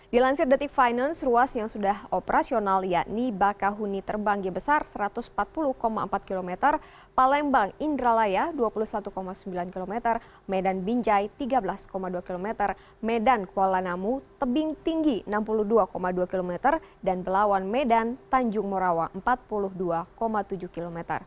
dilansir detik final ruas yang sudah operasional yakni bakahuni terbang gebesar satu ratus empat puluh empat km palembang indralaya dua puluh satu sembilan km medan binjai tiga belas dua km medan kuala namu tebing tinggi enam puluh dua dua km dan belawan medan tanjung morawa empat puluh dua tujuh km